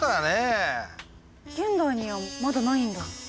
現代にはまだないんだ。